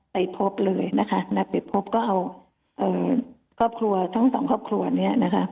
ไปพบเลยนะคะนัดไปพบก็เอาครอบครัวทั้งสองครอบครัวเนี่ยนะคะ